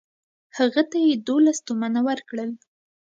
هغه ته یې دوولس تومنه ورکړل.